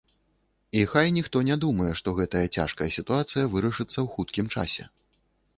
І хай ніхто не думае, што гэтая цяжкая сітуацыя вырашыцца ў хуткім часе.